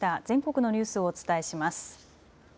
全国のニュースをお伝えします。